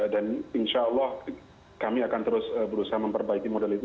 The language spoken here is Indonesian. dan insya allah kami akan terus berusaha memperbaiki model itu